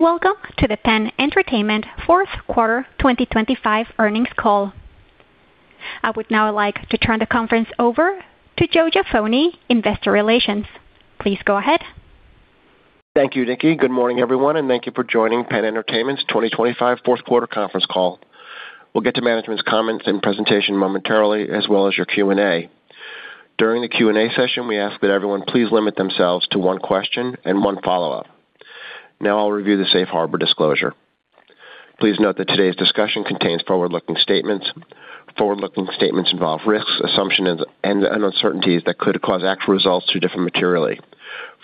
Welcome to the PENN Entertainment fourth quarter 2025 earnings call. I would now like to turn the conference over to Joe Jaffoni, Investor Relations. Please go ahead. Thank you, Nikki. Good morning, everyone, and thank you for joining PENN Entertainment's 2025 fourth quarter conference call. We'll get to management's comments and presentation momentarily, as well as your Q&A. During the Q&A session, we ask that everyone please limit themselves to one question and one follow-up. Now I'll review the Safe Harbor disclosure. Please note that today's discussion contains forward-looking statements. Forward-looking statements involve risks, assumptions and uncertainties that could cause actual results to differ materially.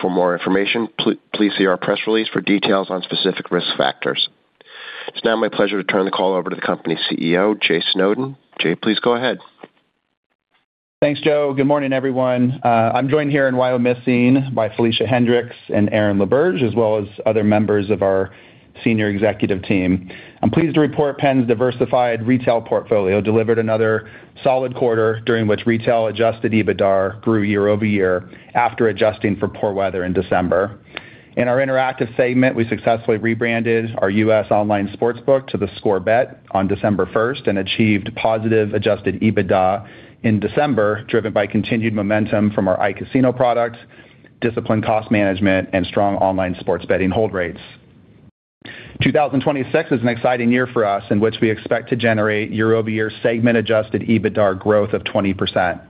For more information, please see our press release for details on specific risk factors. It's now my pleasure to turn the call over to the company's CEO, Jay Snowden. Jay, please go ahead. Thanks, Joe. Good morning, everyone. I'm joined here in Wyomissing by Felicia Hendrix and Aaron LaBerge, as well as other members of our senior executive team. I'm pleased to report PENN's diversified retail portfolio delivered another solid quarter, during Adjusted EBITDAR grew year-over-year after adjusting for poor weather in December. In our interactive segment, we successfully rebranded our U.S. online sportsbook to theScore Bet on December 1st, and achieved positive Adjusted EBITDA in December, driven by continued momentum from our iCasino product, disciplined cost management, and strong online sports betting hold rates. 2026 is an exciting year for us, in which we expect to generate Adjusted EBITDAR growth of 20%.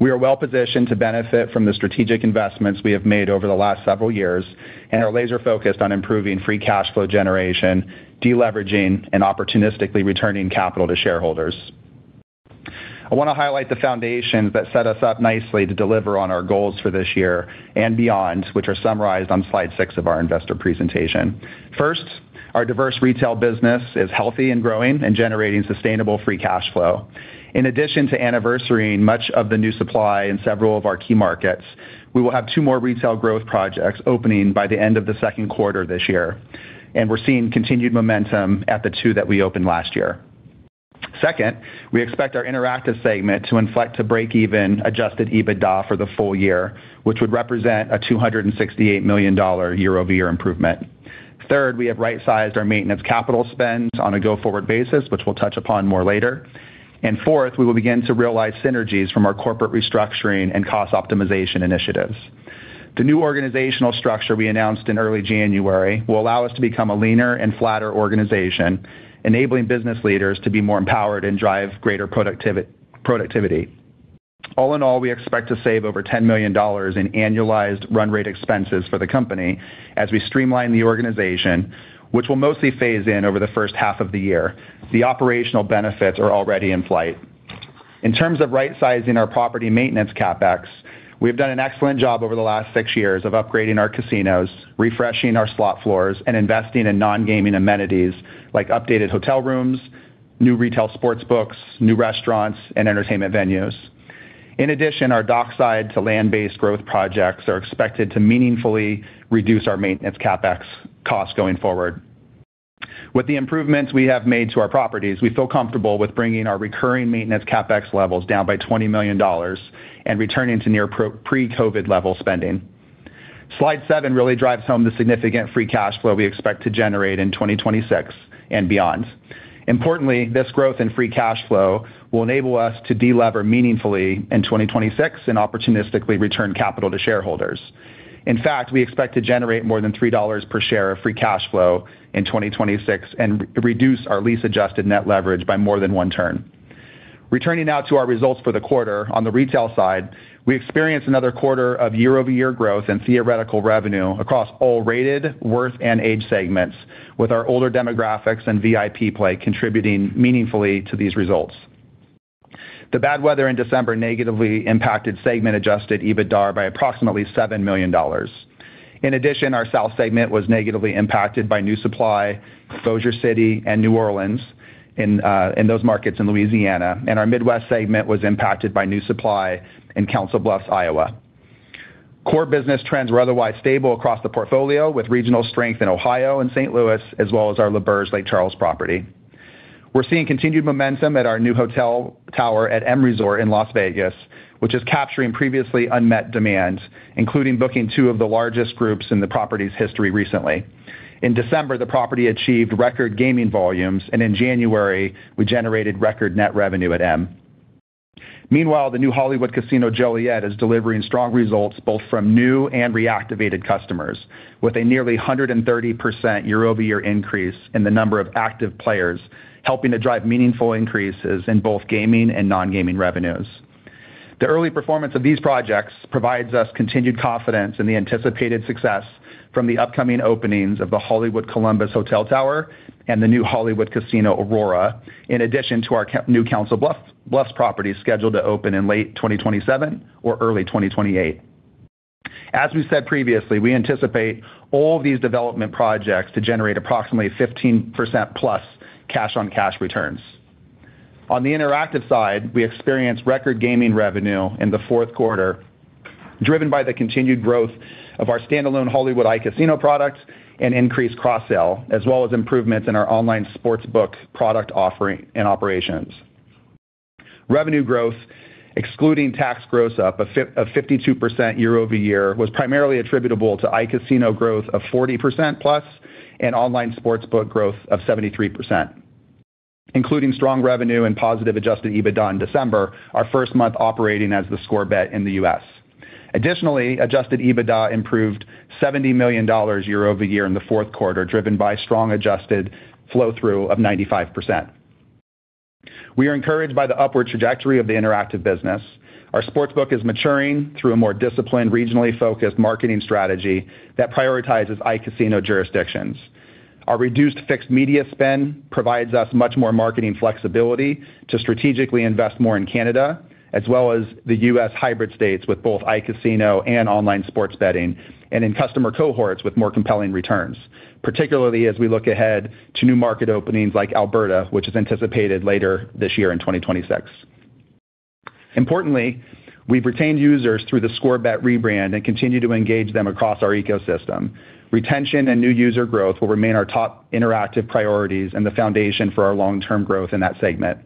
We are well positioned to benefit from the strategic investments we have made over the last several years and are laser-focused on improving free cash flow generation, deleveraging, and opportunistically returning capital to shareholders. I want to highlight the foundations that set us up nicely to deliver on our goals for this year and beyond, which are summarized on slide six of our investor presentation. First, our diverse retail business is healthy and growing and generating sustainable free cash flow. In addition to anniversarying much of the new supply in several of our key markets, we will have two more retail growth projects opening by the end of the second quarter this year, and we're seeing continued momentum at the two that we opened last year. Second, we expect our interactive segment to inflect to break even Adjusted EBITDA for the full year, which would represent a $268 million year-over-year improvement. Third, we have right-sized our maintenance capital spends on a go-forward basis, which we'll touch upon more later. Fourth, we will begin to realize synergies from our corporate restructuring and cost optimization initiatives. The new organizational structure we announced in early January will allow us to become a leaner and flatter organization, enabling business leaders to be more empowered and drive greater productivity. All in all, we expect to save over $10 million in annualized run rate expenses for the company as we streamline the organization, which will mostly phase in over the first half of the year. The operational benefits are already in flight. In terms of right-sizing our property maintenance CapEx, we've done an excellent job over the last six years of upgrading our casinos, refreshing our slot floors, and investing in non-gaming amenities like updated hotel rooms, new retail sports books, new restaurants, and entertainment venues. Our dockside to land-based growth projects are expected to meaningfully reduce our maintenance CapEx costs going forward. With the improvements we have made to our properties, we feel comfortable with bringing our recurring maintenance CapEx levels down by $20 million and returning to near pre-COVID level spending. Slide seven really drives home the significant free cash flow we expect to generate in 2026 and beyond. Importantly, this growth in free cash flow will enable us to delever meaningfully in 2026 and opportunistically return capital to shareholders. We expect to generate more than $3 per share of free cash flow in 2026 and re-reduce our lease-adjusted net leverage by more than one turn. Returning now to our results for the quarter, on the retail side, we experienced another quarter of year-over-year growth in theoretical revenue across all rated worth and age segments, with our older demographics and VIP play contributing meaningfully to these results. The bad weather in December negatively impacted segment-Adjusted EBITDAR by approximately $7 million. Our South segment was negatively impacted by new supply, Bossier City and New Orleans in those markets in Louisiana, and our Midwest segment was impacted by new supply in Council Bluffs, Iowa. Core business trends were otherwise stable across the portfolio, with regional strength in Ohio and St. Louis, as well as our L'Auberge Lake Charles property. We're seeing continued momentum at our new hotel tower at M Resort in Las Vegas, which is capturing previously unmet demand, including booking two of the largest groups in the property's history recently. In December, the property achieved record gaming volumes, and in January, we generated record net revenue at M. Meanwhile, the new Hollywood Casino Joliet is delivering strong results both from new and reactivated customers, with a nearly 130% year-over-year increase in the number of active players, helping to drive meaningful increases in both gaming and non-gaming revenues. The early performance of these projects provides us continued confidence in the anticipated success from the upcoming openings of the Hollywood Columbus Hotel Tower and the new Hollywood Casino Aurora, in addition to our new Council Bluffs property, scheduled to open in late 2027 or early 2028. As we said previously, we anticipate all these development projects to generate approximately 15%+ cash-on-cash returns. On the interactive side, we experienced record gaming revenue in the fourth quarter, driven by the continued growth of our standalone Hollywood iCasino products and increased cross-sell, as well as improvements in our online sportsbook product offering and operations. Revenue growth, excluding tax gross up of 52% year-over-year, was primarily attributable to iCasino growth of 40%+ and online sportsbook growth of 73%, including strong revenue and positive Adjusted EBITDA in December, our first month operating as theScore Bet in the U.S. Adjusted EBITDA improved $70 million year-over-year in the fourth quarter, driven by strong adjusted flow-through of 95%. We are encouraged by the upward trajectory of the interactive business. Our sportsbook is maturing through a more disciplined, regionally focused marketing strategy that prioritizes iCasino jurisdictions. Our reduced fixed media spend provides us much more marketing flexibility to strategically invest more in Canada, as well as the U.S. hybrid states with both iCasino and online sports betting, and in customer cohorts with more compelling returns, particularly as we look ahead to new market openings like Alberta, which is anticipated later this year in 2026. Importantly, we've retained users through theScore Bet rebrand and continue to engage them across our ecosystem. Retention and new user growth will remain our top interactive priorities and the foundation for our long-term growth in that segment.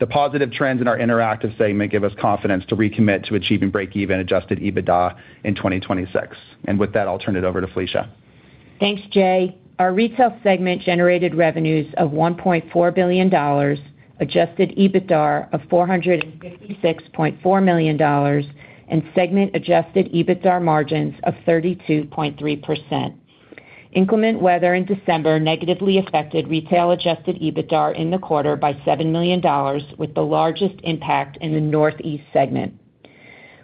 The positive trends in our interactive segment give us confidence to recommit to achieving breakeven Adjusted EBITDA in 2026. With that, I'll turn it over to Felicia. Thanks, Jay. Our retail segment generated revenues of $1.4 billion, Adjusted EBITDAR of $456.4 million, segment Adjusted EBITDAR margins of 32.3%. Inclement weather in December negatively Adjusted EBITDAR in the quarter by $7 million, with the largest impact in the Northeast segment.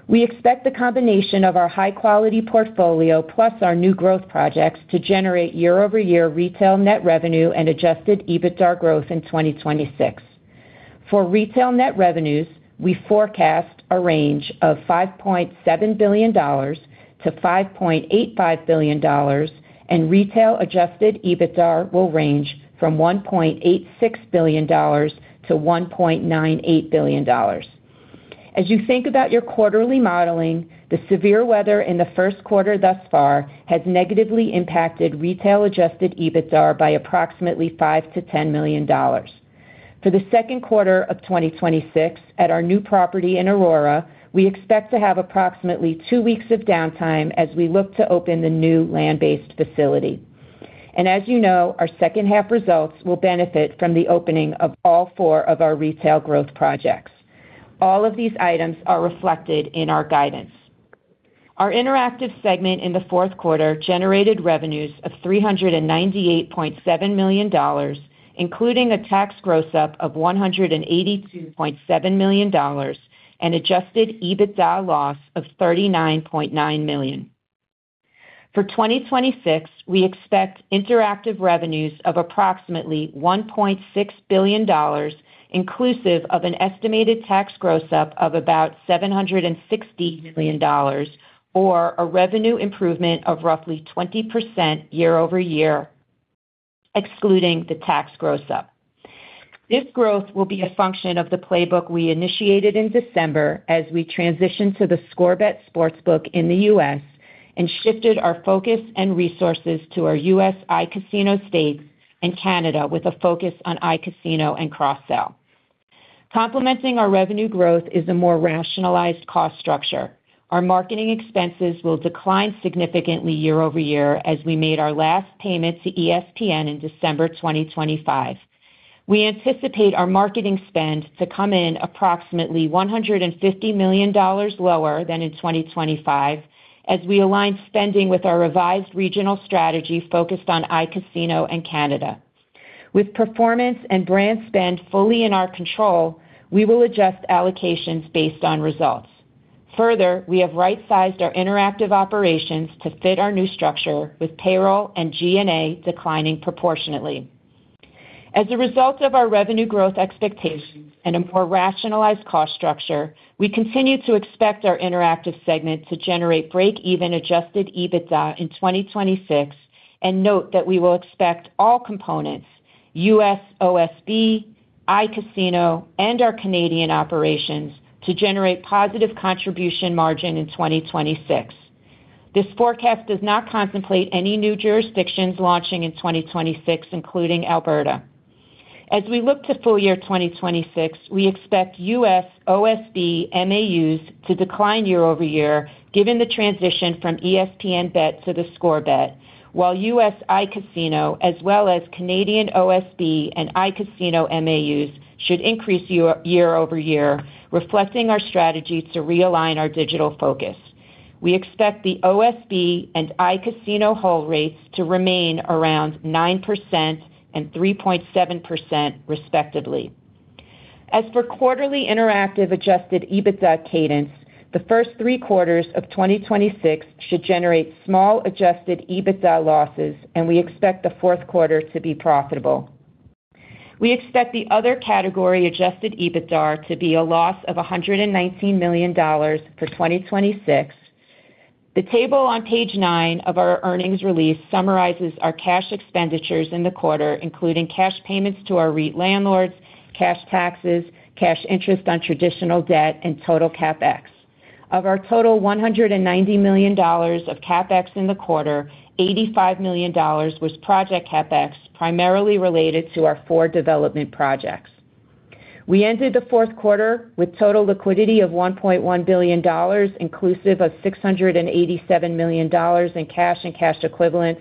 We expect the combination of our high-quality portfolio, plus our new growth projects, to generate year-over-year retail net Adjusted EBITDAR growth in 2026. For retail net revenues, we forecast a range of $5.7 billion-$5.85 billion, Adjusted EBITDAR will range from $1.86 billion-$1.98 billion. As you think about your quarterly modeling, the severe weather in the first quarter thus far has negatively Adjusted EBITDAR by approximately $5 million-$10 million. For the second quarter of 2026, at our new property in Aurora, we expect to have approximately two weeks of downtime as we look to open the new land-based facility. As you know, our second-half results will benefit from the opening of all four of our retail growth projects. All of these items are reflected in our guidance. Our interactive segment in the fourth quarter generated revenues of $398.7 million, including a tax gross up of $182.7 million and Adjusted EBITDA loss of $39.9 million. For 2026, we expect interactive revenues of approximately $1.6 billion, inclusive of an estimated tax gross up of about $760 million, or a revenue improvement of roughly 20% year-over-year, excluding the tax gross up. This growth will be a function of the playbook we initiated in December as we transitioned to theScore Bet Sportsbook in the U.S. and shifted our focus and resources to our U.S. iCasino states and Canada, with a focus on iCasino and cross-sell. Complementing our revenue growth is a more rationalized cost structure. Our marketing expenses will decline significantly year-over-year as we made our last payment to ESPN in December 2025. We anticipate our marketing spend to come in approximately $150 million lower than in 2025 as we align spending with our revised regional strategy focused on iCasino and Canada. With performance and brand spend fully in our control, we will adjust allocations based on results. Further, we have right-sized our interactive operations to fit our new structure, with payroll and G&A declining proportionately. As a result of our revenue growth expectations and a more rationalized cost structure, we continue to expect our interactive segment to generate break-even Adjusted EBITDA in 2026, and note that we will expect all components, U.S. OSB, iCasino, and our Canadian operations, to generate positive contribution margin in 2026. This forecast does not contemplate any new jurisdictions launching in 2026, including Alberta. As we look to full year 2026, we expect U.S. OSB MAUs to decline year-over-year, given the transition from ESPN Bet to theScore Bet, while U.S. iCasino, as well as Canadian OSB and iCasino MAUs, should increase year-over-year, reflecting our strategies to realign our digital focus. We expect the OSB and iCasino hold rates to remain around 9% and 3.7%, respectively. As for quarterly interactive Adjusted EBITDA cadence, the first three quarters of 2026 should generate small Adjusted EBITDA losses, and we expect the fourth quarter to be profitable. We expect the Adjusted EBITDAR to be a loss of $119 million for 2026. The table on page nine of our earnings release summarizes our cash expenditures in the quarter, including cash payments to our REIT landlords, cash taxes, cash interest on traditional debt, and total CapEx. Of our total $190 million of CapEx in the quarter, $85 million was project CapEx, primarily related to our four development projects. We entered the fourth quarter with total liquidity of $1.1 billion, inclusive of $687 million in cash and cash equivalents.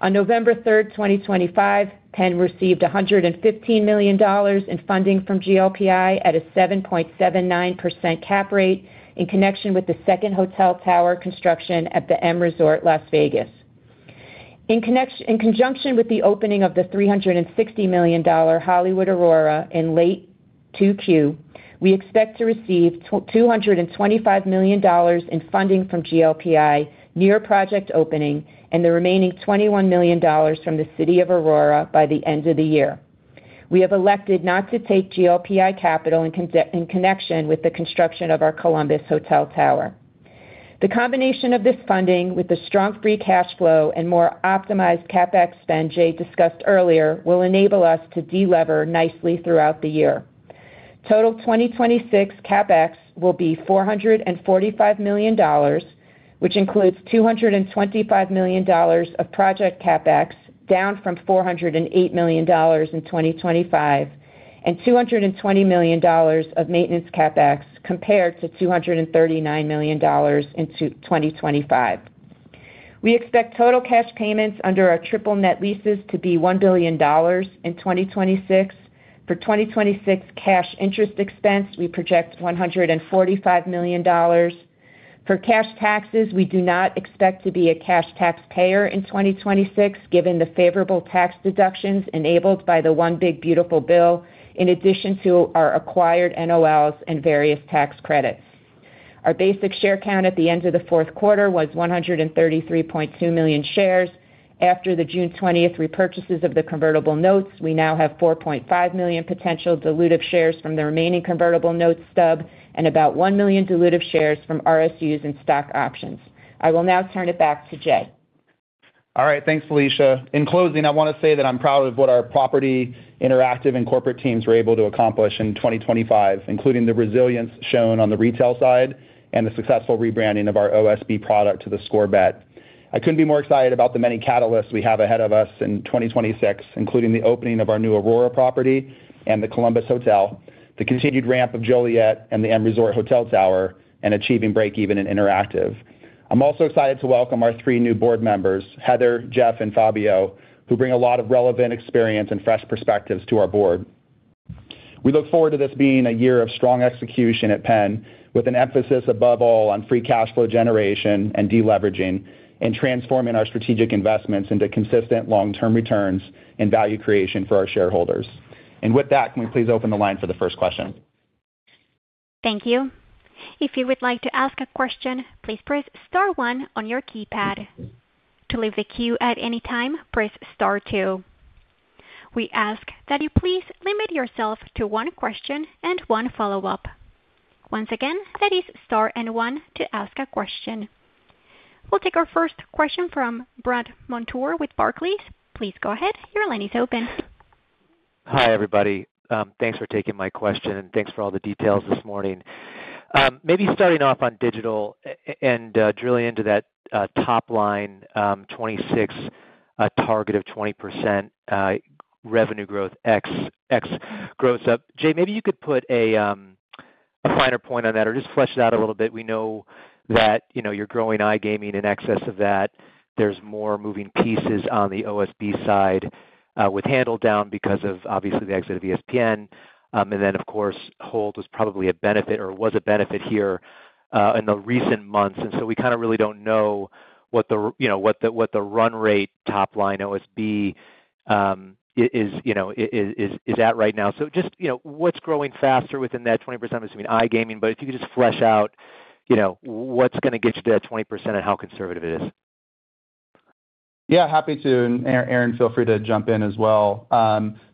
On November 3rd, 2025, PENN received $115 million in funding from GLPI at a 7.79% cap rate in connection with the second hotel tower construction at the M Resort, Las Vegas. In conjunction with the opening of the $360 million Hollywood Aurora in late 2Q, we expect to receive $225 million in funding from GLPI near project opening and the remaining $21 million from the City of Aurora by the end of the year. We have elected not to take GLPI capital in connection with the construction of our Columbus Hotel tower. The combination of this funding with the strong free cash flow and more optimized CapEx spend Jay discussed earlier, will enable us to delever nicely throughout the year. Total 2026 CapEx will be $445 million, which includes $225 million of project CapEx, down from $408 million in 2025, and $220 million of maintenance CapEx, compared to $239 million in 2025. We expect total cash payments under our triple net leases to be $1 billion in 2026. For 2026 cash interest expense, we project $145 million. For cash taxes, we do not expect to be a cash taxpayer in 2026, given the favorable tax deductions enabled by the One Big Beautiful Bill, in addition to our acquired NOLs and various tax credits. Our basic share count at the end of the fourth quarter was 133.2 million shares. After the June 20th repurchases of the convertible notes, we now have 4.5 million potential dilutive shares from the remaining convertible notes stub and about 1 million dilutive shares from RSUs and stock options. I will now turn it back to Jay. All right, thanks, Felicia. In closing, I want to say that I'm proud of what our property, Interactive, and corporate teams were able to accomplish in 2025, including the resilience shown on the retail side and the successful rebranding of our OSB product to theScore Bet. I couldn't be more excited about the many catalysts we have ahead of us in 2026, including the opening of our new Aurora property and the Columbus Hotel, the continued ramp of Joliet and the M Resort Hotel Tower, and achieving breakeven in Interactive. I'm also excited to welcome our three new board members, Heather, Jeff, and Fabio, who bring a lot of relevant experience and fresh perspectives to our board. We look forward to this being a year of strong execution at PENN, with an emphasis, above all, on free cash flow generation and deleveraging, and transforming our strategic investments into consistent long-term returns and value creation for our shareholders. With that, can we please open the line for the first question? Thank you. If you would like to ask a question, please press star one on your keypad. To leave the queue at any time, press star two. We ask that you please limit yourself to one question and one follow-up. Once again, that is star and one to ask a question. We'll take our first question from Brandt Montour with Barclays. Please go ahead. Your line is open. Hi, everybody. Thanks for taking my question, and thanks for all the details this morning. Maybe starting off on digital and drilling into that top line, 2026 target of 20% revenue growth, ex gross up. Jay, maybe you could put a finer point on that or just flesh it out a little bit. We know that, you know, you're growing iGaming in excess of that. There's more moving pieces on the OSB side, with handle down because of, obviously, the exit of ESPN. Then, of course, hold was probably a benefit or was a benefit here, in the recent months. We kind of really don't know what the, you know, what the, what the run rate top line OSB is, you know, is at right now. Just, you know, what's growing faster within that 20%? Obviously, iGaming, but if you could just flesh out, you know, what's gonna get you to that 20% and how conservative it is. Yeah, happy to. Aaron, feel free to jump in as well.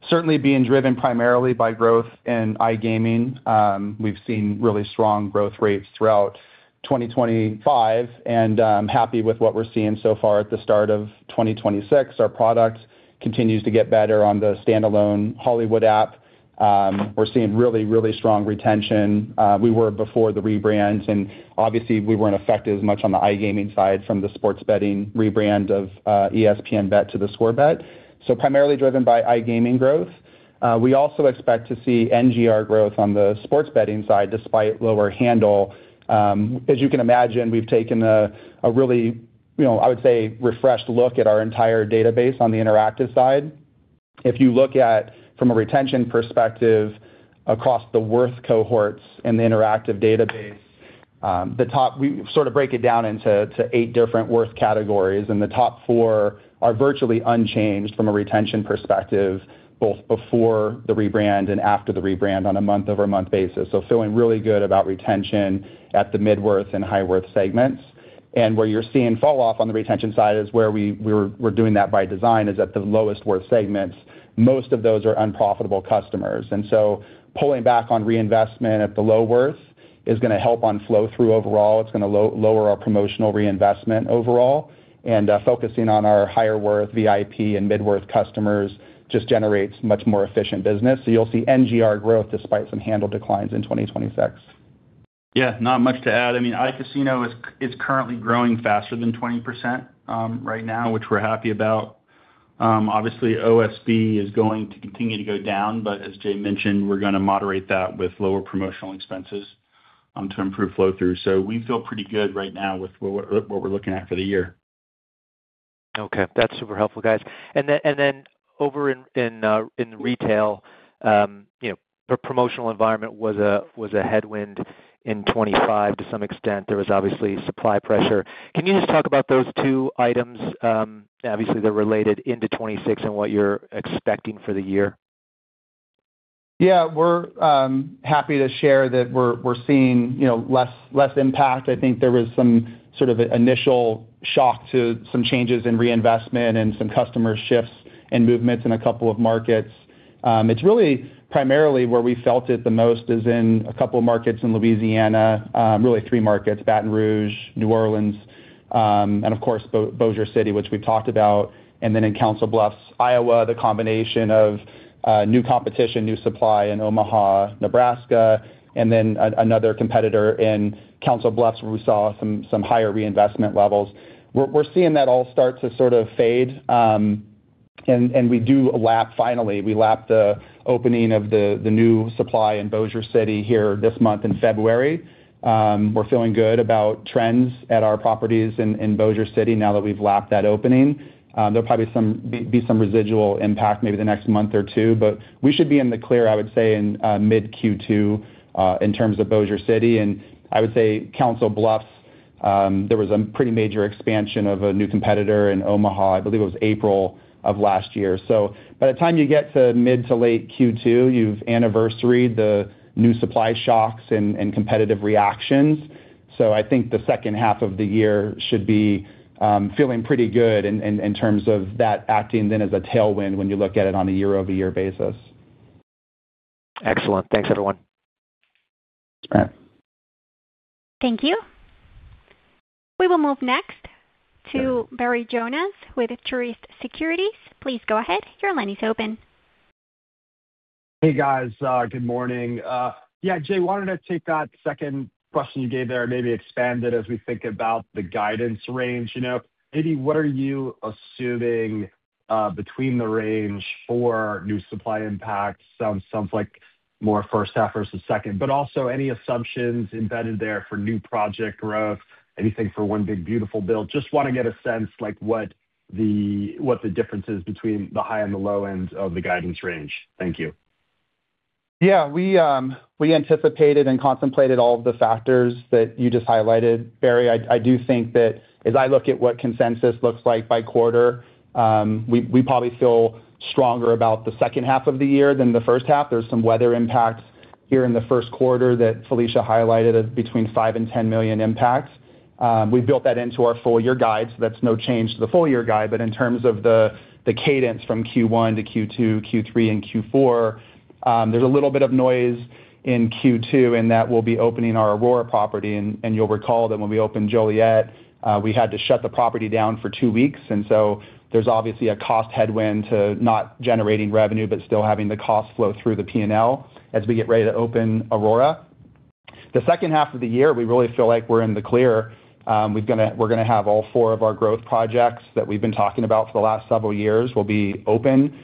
Certainly being driven primarily by growth in iGaming, we've seen really strong growth rates throughout 2025, and happy with what we're seeing so far at the start of 2026. Our product continues to get better on the standalone Hollywood app. We're seeing really, really strong retention. We were before the rebrand, and obviously, we weren't affected as much on the iGaming side from the sports betting rebrand of ESPN Bet to theScore Bet. Primarily driven by iGaming growth. We also expect to see NGR growth on the sports betting side, despite lower handle. As you can imagine, we've taken a really, you know, I would say, refreshed look at our entire database on the interactive side. If you look at, from a retention perspective, across the worth cohorts in the interactive database, we sort of break it down into eight different worth categories. The top four are virtually unchanged from a retention perspective, both before the rebrand and after the rebrand, on a month-over-month basis. Feeling really good about retention at the mid-worth and high-worth segments. Where you're seeing fall off on the retention side is where we're doing that by design, is at the lowest worth segments. Most of those are unprofitable customers. Pulling back on reinvestment at the low worth is gonna help on flow-through overall. It's gonna lower our promotional reinvestment overall. Focusing on our higher worth VIP and mid-worth customers just generates much more efficient business. You'll see NGR growth despite some handle declines in 2026. Not much to add. I mean, iCasino is currently growing faster than 20% right now, which we're happy about. Obviously, OSB is going to continue to go down, but as Jay mentioned, we're gonna moderate that with lower promotional expenses to improve flow through. We feel pretty good right now with what we're looking at for the year. Okay, that's super helpful, guys. Over in retail, you know, the promotional environment was a headwind in 2025 to some extent. There was obviously supply pressure. Can you just talk about those two items, obviously they're related into 2026 and what you're expecting for the year? Yeah, we're happy to share that we're seeing, you know, less impact. I think there was some sort of initial shock to some changes in reinvestment and some customer shifts and movements in a couple of markets. It's really primarily where we felt it the most is in a couple of markets in Louisiana, really three markets, Baton Rouge, New Orleans, and of course, Bossier City, which we've talked about, and then in Council Bluffs, Iowa, the combination of new competition, new supply in Omaha, Nebraska, and then another competitor in Council Bluffs, where we saw some higher reinvestment levels. We're seeing that all start to sort of fade, and we do lap, finally, we lap the opening of the new supply in Bossier City here this month in February. We're feeling good about trends at our properties in Bossier City now that we've lapped that opening. There'll probably be some residual impact maybe the next month or two, but we should be in the clear, I would say, in mid-Q2 in terms of Bossier City. I would say Council Bluffs, there was a pretty major expansion of a new competitor in Omaha. I believe it was April of last year. By the time you get to mid to late Q2, you've anniversaried the new supply shocks and competitive reactions. I think the second half of the year should be feeling pretty good in terms of that acting then as a tailwind when you look at it on a year-over-year basis. Excellent. Thanks, everyone. All right. Thank you. We will move next to Barry Jonas with Truist Securities. Please go ahead. Your line is open. Hey, guys, good morning. Yeah, Jay, wanted to take that second question you gave there and maybe expand it as we think about the guidance range, you know. Maybe what are you assuming between the range for new supply impact? Sounds like more first half versus second, but also any assumptions embedded there for new project growth, anything for One Big Beautiful Bill Act. Just wanna get a sense, like what the difference is between the high and the low end of the guidance range. Thank you. We anticipated and contemplated all of the factors that you just highlighted, Barry. I do think that as I look at what consensus looks like by quarter, we probably feel stronger about the second half of the year than the first half. There's some weather impacts here in the first quarter that Felicia highlighted as between $5 million-$10 million impacts. We built that into our full year guide, so that's no change to the full year guide. In terms of the cadence from Q1 to Q2, Q3 and Q4, there's a little bit of noise in Q2, and that will be opening our Aurora property. You'll recall that when we opened Joliet, we had to shut the property down for two weeks, and so there's obviously a cost headwind to not generating revenue, but still having the cost flow through the PNL as we get ready to open Aurora. The second half of the year, we really feel like we're in the clear. We're gonna have all four of our growth projects that we've been talking about for the last several years will be open,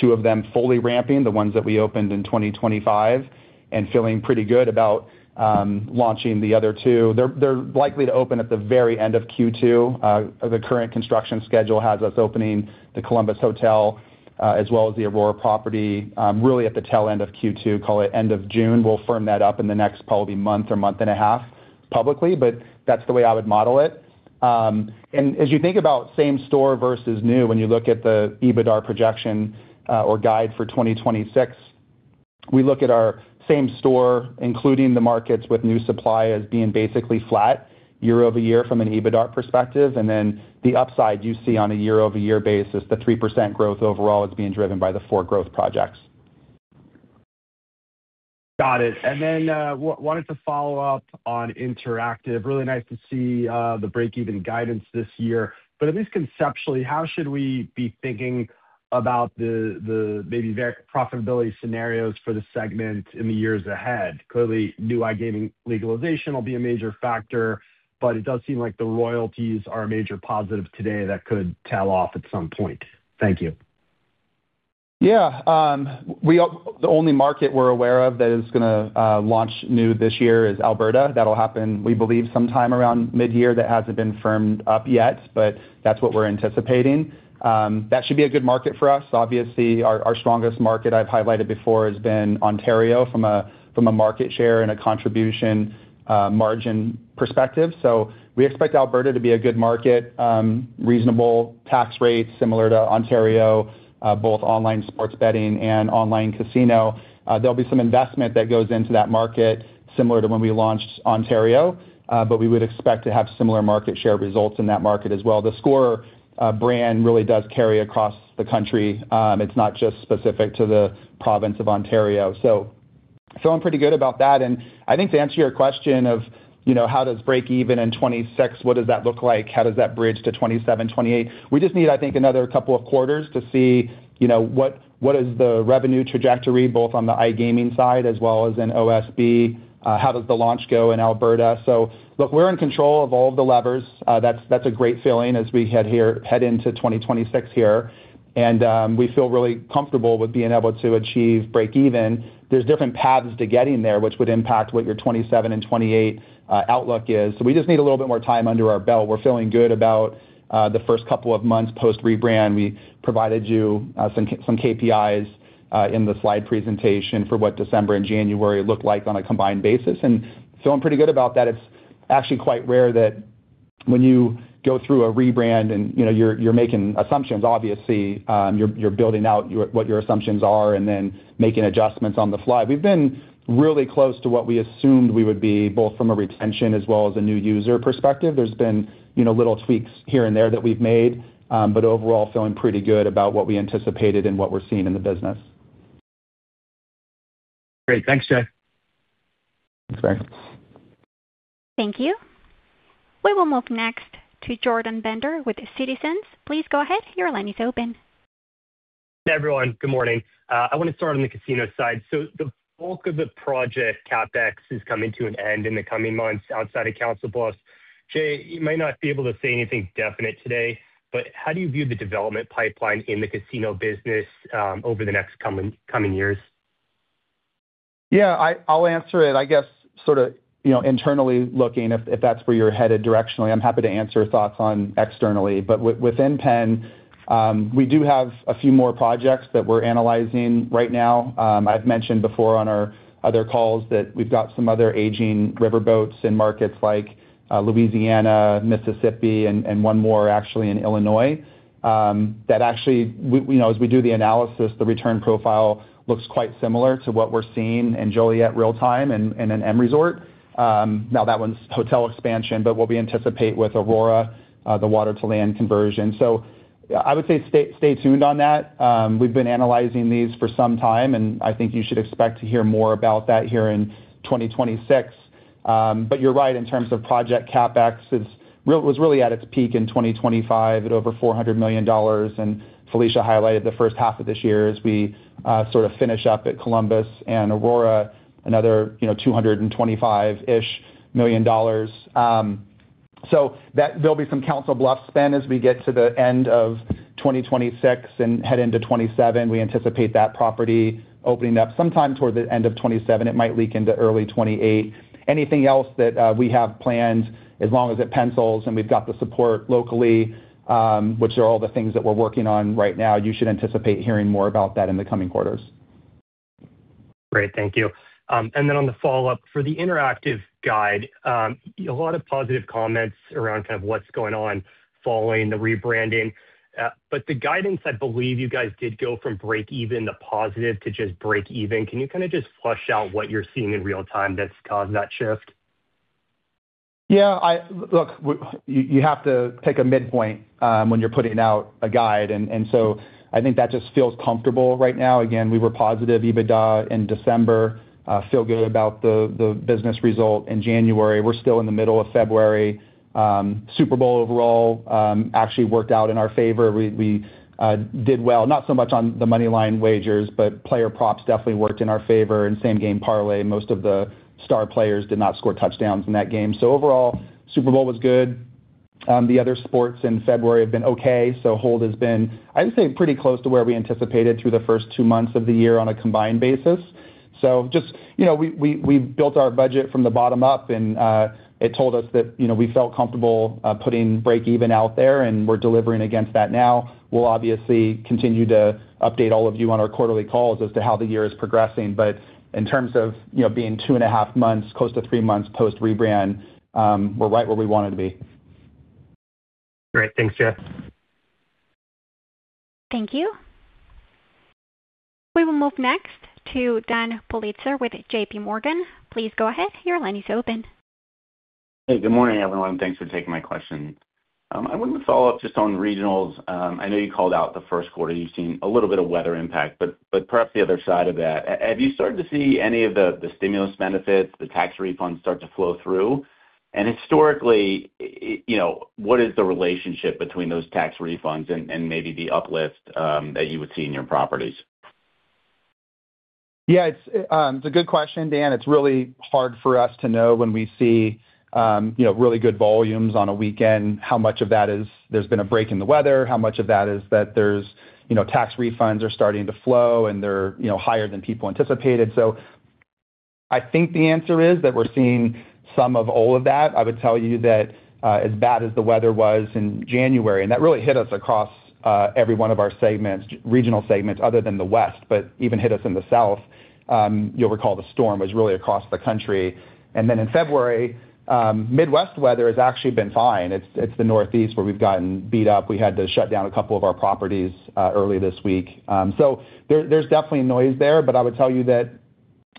two of them fully ramping, the ones that we opened in 2025, and feeling pretty good about launching the other two. They're likely to open at the very end of Q2. The current construction schedule has us opening the Columbus Hotel, as well as the Aurora property, really at the tail end of Q2, call it end of June. We'll firm that up in the next probably month or month and a half publicly, but that's the way I would model it. As you think about same store versus new, when you look at the EBITDAR projection, or guide for 2026, we look at our same store, including the markets with new supply, as being basically flat year-over-year from an EBITDAR perspective. The upside you see on a year-over-year basis, the 3% growth overall is being driven by the four growth projects. Got it. wanted to follow up on interactive. Really nice to see the break-even guidance this year, but at least conceptually, how should we be thinking about the maybe profitability scenarios for the segment in the years ahead? Clearly, new iGaming legalization will be a major factor, but it does seem like the royalties are a major positive today that could tail off at some point. Thank you. Yeah, we are the only market we're aware of that is gonna launch new this year is Alberta. That'll happen, we believe, sometime around mid-year. That hasn't been firmed up yet, but that's what we're anticipating. That should be a good market for us. Obviously, our strongest market I've highlighted before has been Ontario from a market share and a contribution margin perspective. We expect Alberta to be a good market, reasonable tax rates, similar to Ontario, both online sports betting and online casino. There'll be some investment that goes into that market, similar to when we launched Ontario, but we would expect to have similar market share results in that market as well. theScore brand really does carry across the country, it's not just specific to the province of Ontario. Feeling pretty good about that. I think to answer your question, you know, how does breakeven in 2026, what does that look like? How does that bridge to 2027, 2028? We just need, I think, another couple of quarters to see, you know, what is the revenue trajectory, both on the iGaming side as well as in OSB, how does the launch go in Alberta? Look, we're in control of all of the levers. That's, that's a great feeling as we head into 2026 here. We feel really comfortable with being able to achieve breakeven. There's different paths to getting there, which would impact what your 2027 and 2028 outlook is. We just need a little bit more time under our belt. We're feeling good about the first couple of months post-rebrand. We provided you some KPIs in the slide presentation for what December and January looked like on a combined basis, and feeling pretty good about that. It's actually quite rare that when you go through a rebrand and, you know, you're making assumptions, obviously, you're building out what your assumptions are, and then making adjustments on the fly. We've been really close to what we assumed we would be, both from a retention as well as a new user perspective. There's been, you know, little tweaks here and there that we've made, but overall, feeling pretty good about what we anticipated and what we're seeing in the business. Great. Thanks, Jay. Thanks, Barry. Thank you. We will move next to Jordan Bender with Citizens. Please go ahead. Your line is open. Everyone, good morning. I want to start on the casino side. The bulk of the project CapEx is coming to an end in the coming months outside of Council Bluffs. Jay, you might not be able to say anything definite today, but how do you view the development pipeline in the casino business over the next coming years? Yeah, I'll answer it, I guess, sort of, you know, internally looking, if that's where you're headed directionally. I'm happy to answer thoughts on externally, within PENN, we do have a few more projects that we're analyzing right now. I've mentioned before on our other calls that we've got some other aging riverboats in markets like Louisiana, Mississippi, and one more actually in Illinois. That actually, we know as we do the analysis, the return profile looks quite similar to what we're seeing in Joliet Real Time and in an M Resort. Now that one's hotel expansion, what we anticipate with Aurora, the water-to-land conversion. I would say stay tuned on that. We've been analyzing these for some time, I think you should expect to hear more about that here in 2026. You're right, in terms of project CapEx, it was really at its peak in 2025 at over $400 million, and Felicia highlighted the first half of this year as we sort of finish up at Columbus and Aurora, another, you know, $225-ish million. There'll be some Council Bluffs spend as we get to the end of 2026 and head into 2027. We anticipate that property opening up sometime toward the end of 2027. It might leak into early 2028. Anything else that we have planned, as long as it pencils and we've got the support locally, which are all the things that we're working on right now, you should anticipate hearing more about that in the coming quarters. Great. Thank you. On the follow-up, for the interactive guide, a lot of positive comments around kind of what's going on following the rebranding. The guidance, I believe you guys did go from breakeven to positive to just breakeven. Can you kind of just flush out what you're seeing in real time that's caused that shift? You have to pick a midpoint when you're putting out a guide, I think that just feels comfortable right now. Again, we were positive EBITDA in December, feel good about the business result in January. We're still in the middle of February. Super Bowl overall actually worked out in our favor. We did well, not so much on the money line wagers, but player props definitely worked in our favor, and Same Game Parlay. Most of the star players did not score touchdowns in that game. Overall, Super Bowl was good. The other sports in February have been okay, hold has been, I would say, pretty close to where we anticipated through the first two months of the year on a combined basis. Just, you know, we built our budget from the bottom up, and it told us that, you know, we felt comfortable putting breakeven out there, and we're delivering against that now. We'll obviously continue to update all of you on our quarterly calls as to how the year is progressing, but in terms of, you know, being 2.5 months, close to three months post-rebrand, we're right where we wanted to be. Great. Thanks, Jay. Thank you. We will move next to Daniel Politzer with JPMorgan. Please go ahead. Your line is open. Hey, good morning, everyone. Thanks for taking my question. I wanted to follow up just on regionals. I know you called out the first quarter, you've seen a little bit of weather impact, but perhaps the other side of that, have you started to see any of the stimulus benefits, the tax refunds start to flow through? Historically, you know, what is the relationship between those tax refunds and maybe the uplift that you would see in your properties? Yeah, it's a good question, Dan. It's really hard for us to know when we see, you know, really good volumes on a weekend, how much of that is there's been a break in the weather, how much of that is that there's, you know, tax refunds are starting to flow, and they're, you know, higher than people anticipated. I think the answer is that we're seeing some of all of that. I would tell you that, as bad as the weather was in January, and that really hit us across every one of our segments, regional segments, other than the West, but even hit us in the South. You'll recall the storm was really across the country. In February, Midwest weather has actually been fine. It's the Northeast where we've gotten beat up. We had to shut down a couple of our properties, early this week. There's definitely noise there, but I would tell you that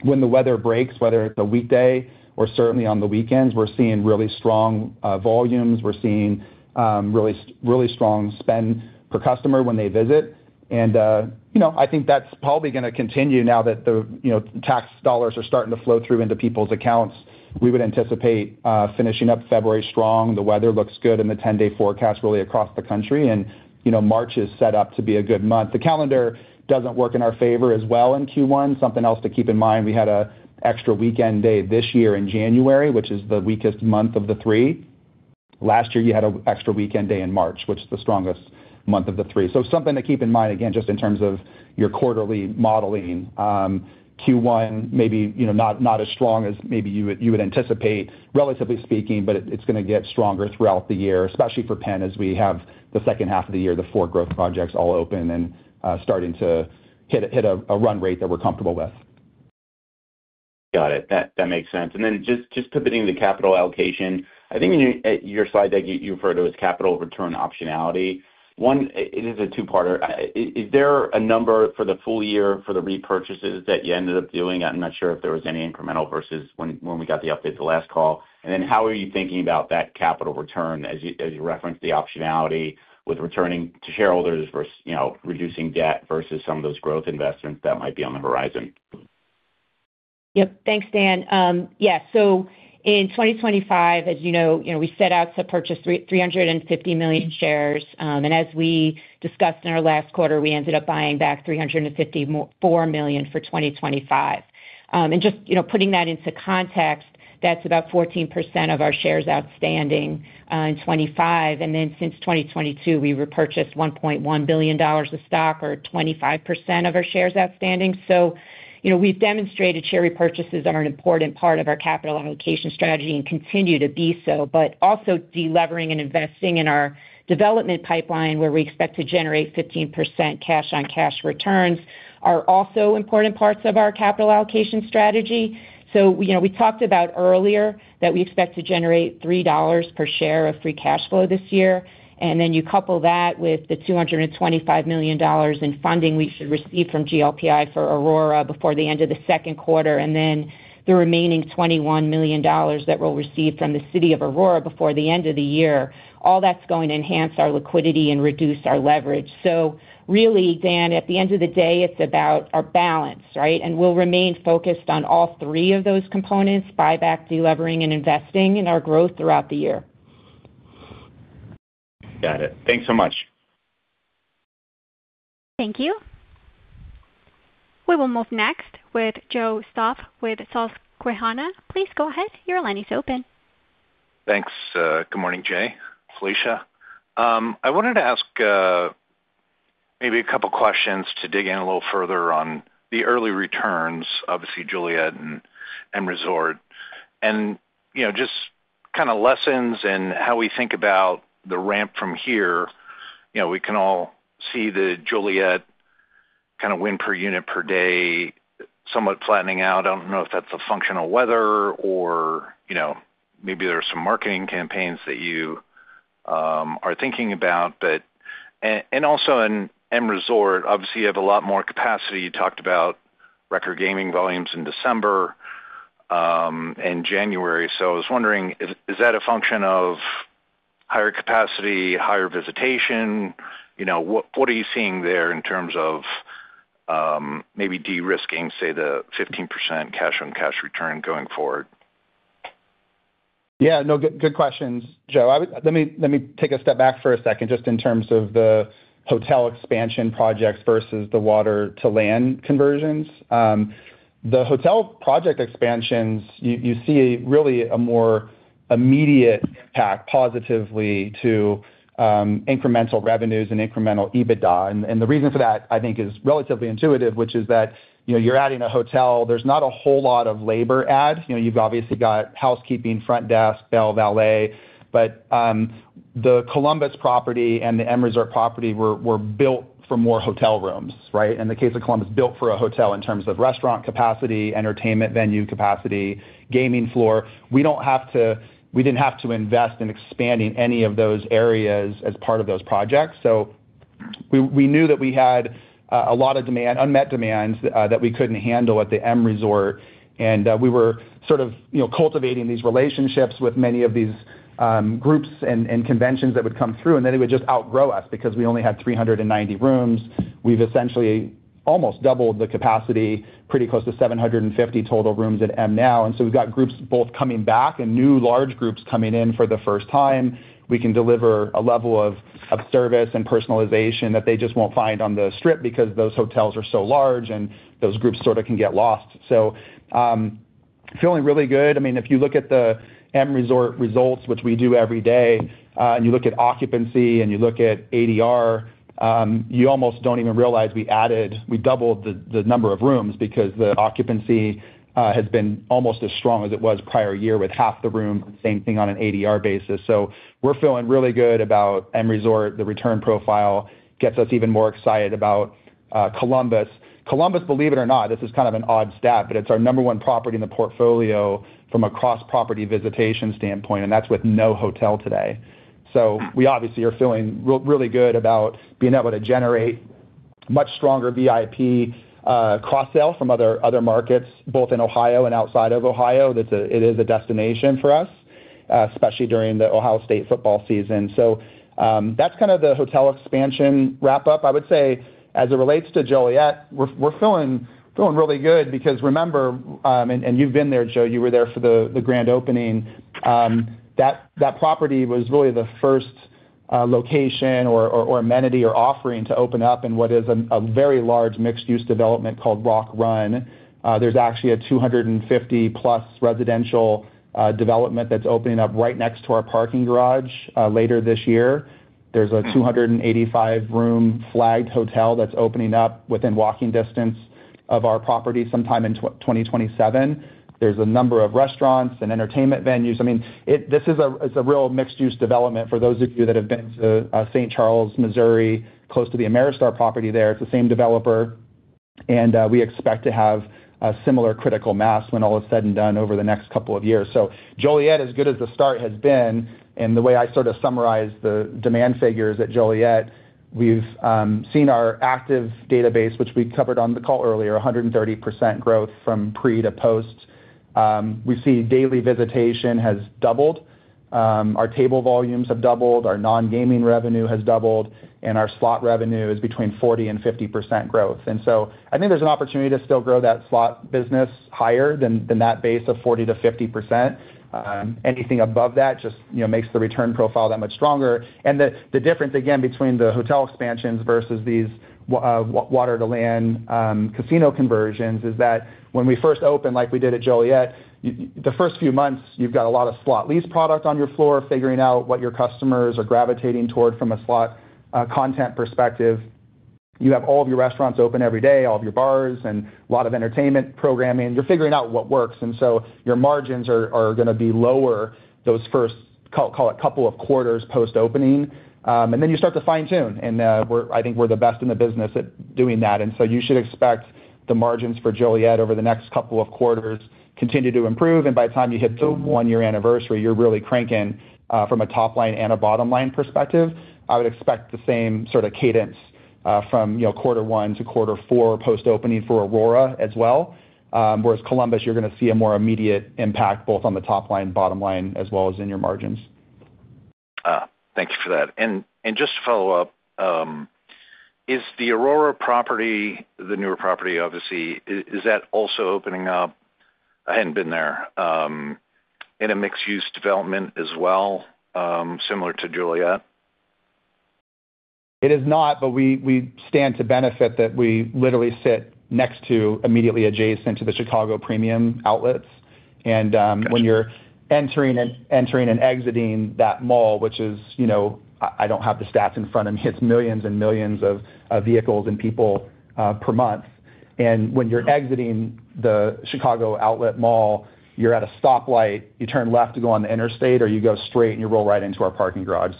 when the weather breaks, whether it's a weekday or certainly on the weekends, we're seeing really strong volumes. We're seeing really strong spend per customer when they visit. You know, I think that's probably gonna continue now that the, you know, tax dollars are starting to flow through into people's accounts. We would anticipate finishing up February strong. The weather looks good in the 10-day forecast, really, across the country, and, you know, March is set up to be a good month. The calendar doesn't work in our favor as well in Q1. Something else to keep in mind, we had a extra weekend day this year in January, which is the weakest month of the three. Last year, you had a extra weekend day in March, which is the strongest month of the three. Something to keep in mind, again, just in terms of your quarterly modeling. Q1, maybe, you know, not as strong as maybe you would anticipate, relatively speaking, but it's gonna get stronger throughout the year, especially for PENN, as we have the second half of the year, the four growth projects all open and starting to hit a run rate that we're comfortable with. Got it. That makes sense. just pivoting to capital allocation. I think in your slide deck, you referred to as capital return optionality. One, it is a two-parter. Is there a number for the full year for the repurchases that you ended up doing? I'm not sure if there was any incremental versus when we got the update the last call. How are you thinking about that capital return as you referenced the optionality with returning to shareholders versus, you know, reducing debt versus some of those growth investments that might be on the horizon? Thanks, Dan. In 2025, as you know, you know, we set out to purchase 350 million shares. As we discussed in our last quarter, we ended up buying back 354 million for 2025. Just, you know, putting that into context, that's about 14% of our shares outstanding in 2025. Since 2022, we repurchased $1.1 billion of stock, or 25% of our shares outstanding. You know, we've demonstrated share repurchases are an important part of our capital allocation strategy and continue to be so. Also, delevering and investing in our development pipeline, where we expect to generate 15% cash on cash returns, are also important parts of our capital allocation strategy. You know, we talked about earlier that we expect to generate $3 per share of free cash flow this year, and then you couple that with the $225 million in funding we should receive from GLPI for Aurora before the end of the second quarter, and then the remaining $21 million that we'll receive from the City of Aurora before the end of the year. All that's going to enhance our liquidity and reduce our leverage. Really, Dan, at the end of the day, it's about our balance, right? We'll remain focused on all three of those components: buyback, delevering, and investing in our growth throughout the year. Got it. Thanks so much. Thank you. We will move next with Joe Stauff with Susquehanna. Please go ahead. Your line is open. Thanks. Good morning, Jay, Felicia. I wanted to ask, maybe a couple questions to dig in a little further on the early returns, obviously, Joliet and M Resort. You know, just kind of lessons and how we think about the ramp from here. You know, we can all see the Joliet kind of win per unit per day, somewhat flattening out. I don't know if that's a function of weather or, you know, maybe there are some marketing campaigns that you are thinking about. Also in M Resort, obviously, you have a lot more capacity. You talked about record gaming volumes in December and January. I was wondering, is that a function of higher capacity, higher visitation? You know, what are you seeing there in terms of, maybe de-risking, say, the 15% cash on cash return going forward? Yeah, no, good questions, Joe. Let me take a step back for a second, just in terms of the hotel expansion projects versus the water to land conversions. The hotel project expansions, you see really a more immediate impact positively to incremental revenues and incremental EBITDA. The reason for that, I think, is relatively intuitive, which is that, you know, you're adding a hotel, there's not a whole lot of labor add. You know, you've obviously got housekeeping, front desk, bell, valet, but the Columbus property and the M Resort property were built for more hotel rooms, right? In the case of Columbus, built for a hotel in terms of restaurant capacity, entertainment venue capacity, gaming floor. We didn't have to invest in expanding any of those areas as part of those projects. we knew that we had a lot of demand, unmet demand, that we couldn't handle at the M Resort. we were sort of, you know, cultivating these relationships with many of these groups and conventions that would come through, and then they would just outgrow us because we only had 390 rooms. We've essentially almost doubled the capacity, pretty close to 750 total rooms at M now. we've got groups both coming back and new large groups coming in for the first time. We can deliver a level of service and personalization that they just won't find on the Strip because those hotels are so large, and those groups sort of can get lost. feeling really good. I mean, if you look at the M Resort results, which we do every day, and you look at occupancy and you look at ADR, you almost don't even realize we doubled the number of rooms because the occupancy has been almost as strong as it was prior year with half the room, same thing on an ADR basis. We're feeling really good about M Resort. The return profile gets us even more excited about Columbus. Columbus, believe it or not, this is kind of an odd stat, but it's our number one property in the portfolio from a cross-property visitation standpoint, and that's with no hotel today. We obviously are feeling really good about being able to generate much stronger VIP cross-sell from other markets, both in Ohio and outside of Ohio. That's it is a destination for us, especially during The Ohio State football season. That's kind of the hotel expansion wrap-up. I would say, as it relates to Joliet, we're feeling really good because remember, and you've been there, Joe, you were there for the grand opening. That property was really the first location or amenity or offering to open up in what is a very large mixed-use development called Rock Run. There's actually a 250-plus residential development that's opening up right next to our parking garage later this year. There's a 285 room flagged hotel that's opening up within walking distance of our property sometime in 2027. There's a number of restaurants and entertainment venues. I mean, this is a real mixed-use development for those of you that have been to St. Charles, Missouri, close to the Ameristar property there. It's the same developer, and we expect to have a similar critical mass when all is said and done over the next couple of years. Joliet, as good as the start has been, and the way I sort of summarize the demand figures at Joliet, we've seen our active database, which we covered on the call earlier, 130% growth from pre to post. We see daily visitation has doubled. Our table volumes have doubled, our non-gaming revenue has doubled, and our slot revenue is between 40% and 50% growth. I think there's an opportunity to still grow that slot business higher than that base of 40%-50%. Anything above that just, you know, makes the return profile that much stronger. The difference, again, between the hotel expansions versus these water to land casino conversions is that when we first open, like we did at Joliet, the first few months, you've got a lot of slot lease product on your floor, figuring out what your customers are gravitating toward from a slot content perspective. You have all of your restaurants open every day, all of your bars, and a lot of entertainment programming. You're figuring out what works, your margins are gonna be lower, those first, call it, couple of quarters post-opening. Then you start to fine-tune, I think we're the best in the business at doing that. You should expect the margins for Joliet over the next couple of quarters continue to improve, and by the time you hit the one-year anniversary, you're really cranking from a top-line and a bottom-line perspective. I would expect the same sort of cadence, you know, from quarter one to quarter four post-opening for Aurora as well. Whereas Columbus, you're gonna see a more immediate impact, both on the top line, bottom line, as well as in your margins. Thank you for that. Just to follow up, is the Aurora property, the newer property, obviously, is that also opening up, I hadn't been there, in a mixed-use development as well, similar to Joliet? It is not, we stand to benefit that we literally sit next to, immediately adjacent to the Chicago Premium Outlets. When you're entering and exiting that mall, which is, you know, I don't have the stats in front of me, it's millions and millions of vehicles and people per month. When you're exiting the Chicago Outlet Mall, you're at a stoplight, you turn left to go on the interstate, or you go straight, and you roll right into our parking garage.